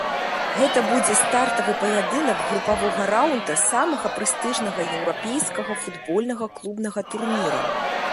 Гэта будзе стартавы паядынак групавога раўнда самага прэстыжнага еўрапейскага футбольнага клубнага турніра.